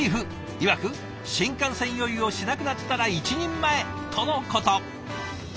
いわく新幹線酔いをしなくなったら一人前とのこと。